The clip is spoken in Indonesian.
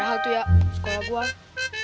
padahal itu ya sekolah gue